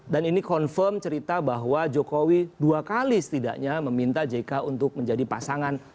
dan ini confirm cerita bahwa jokowi dua kali setidaknya meminta jk untuk menjadi pasangan